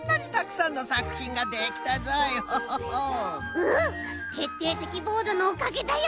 うんてっていてきボードのおかげだよ。